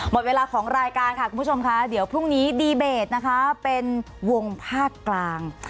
หมดเวลาของรายการค่ะคุณผู้ชมค่ะเดี๋ยวพรุ่งนี้ดีเบตนะคะเป็นวงภาคกลาง